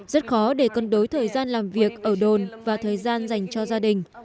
rất khó để cân đối thời gian làm việc ở đồn và thời gian dành cho gia đình